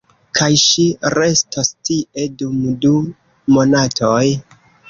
Kaj ŝi restos tie, dum du monatoj.